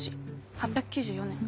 ８９４年。